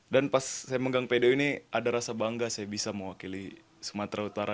dan pas saya menggangg pdi ini ada rasa bangga saya bisa mewakili sumatera utara